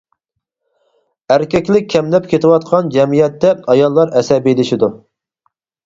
ئەركەكلىك كەملەپ كېتىۋاتقان جەمئىيەتتە ئاياللار ئەسەبىيلىشىدۇ.